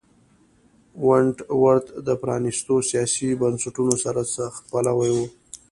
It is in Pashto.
ونټ ورت د پرانیستو سیاسي بنسټونو سرسخت پلوی و.